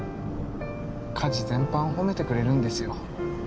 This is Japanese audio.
家事全般を褒めてくれるんですよ。